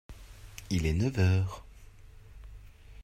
Il est neuf heures.